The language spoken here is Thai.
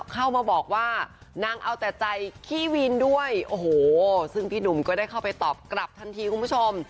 เข้ามาบอกว่านางเอาแต่ใจขี้วินด้วยโอ้โหซึ่งพี่หนุ่มก็ได้เข้าไปตอบกลับทันทีคุณผู้ชม